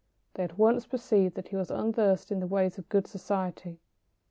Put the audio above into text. They at once perceived that he was unversed in the ways of good society.